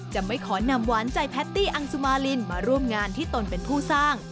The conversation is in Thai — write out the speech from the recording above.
จะไม่ขอนำหวานใจแพตตี้อังสุมารินมาร่วมงานที่ตนเป็นผู้สร้าง